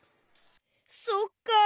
そっか。